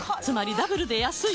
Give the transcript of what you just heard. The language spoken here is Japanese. ダブルで安いな！